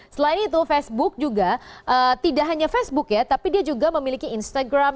selain itu facebook juga tidak hanya facebook ya tapi dia juga memiliki instagram